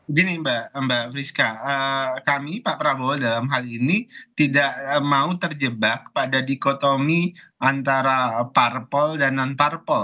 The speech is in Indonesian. begini mbak priska kami pak prabowo dalam hal ini tidak mau terjebak pada dikotomi antara parpol dan non parpol